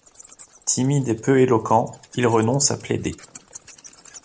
Timide et peu éloquent, il renonce à plaider.